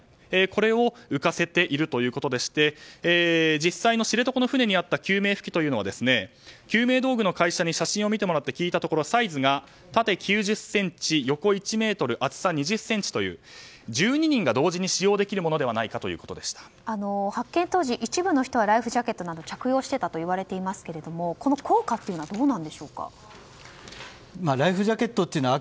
これを浮かせているということで実際の知床の船にあった救命浮器というのは救命道具の会社に写真を見てもらって聞いたところサイズが縦９０ｃｍ、横１ｍ厚さ２０ｃｍという１２人が同時に使用できるものではないか発見当時一部の人はライフジャケットを着用していたといわれますがライフジャケットというのは